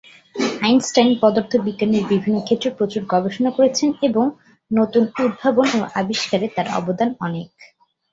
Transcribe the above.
Einstein পদার্থবিজ্ঞানের বিভিন্ন ক্ষেত্রে প্রচুর গবেষণা করেছেন এবং নতুন উদ্ভাবন ও আবিষ্কারে তার অবদান অনেক।